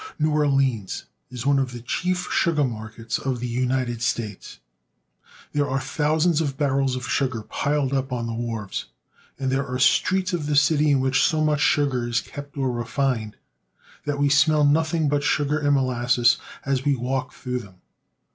New Orleans is one of the chief sugar markets of the United States. There are thousands of barrels of sugar piled up on the wharves, and there are streets of the city in which so much sugar is kept or refined that we smell nothing but sugar and molasses as we walk through them.